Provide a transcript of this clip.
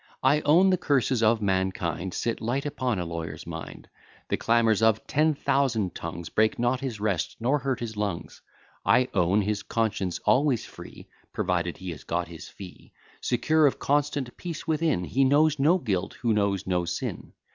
I own the curses of mankind Sit light upon a lawyer's mind: The clamours of ten thousand tongues Break not his rest, nor hurt his lungs; I own, his conscience always free, (Provided he has got his fee,) Secure of constant peace within, He knows no guilt, who knows no sin.